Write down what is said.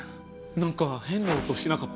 なんか変な音しなかった？